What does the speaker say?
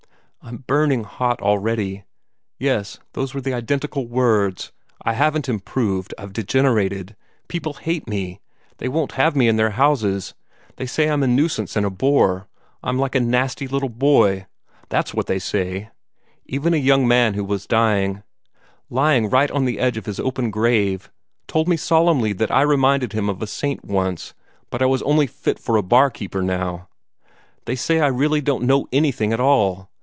"I'm burning hot already! Yes, those were the identical words: I haven't improved; I've degenerated. People hate me; they won't have me in their houses. They say I'm a nuisance and a bore. I'm like a little nasty boy. That's what they say. Even a young man who was dying lying right on the edge of his open grave told me solemnly that I reminded him of a saint once, but I was only fit for a barkeeper now. They say I really don't know anything at all.